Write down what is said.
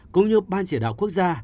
cũng như ban chỉ đạo quốc gia